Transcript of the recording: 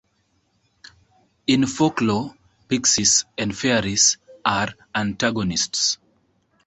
In folklore Pixies and Fairies are antagonists.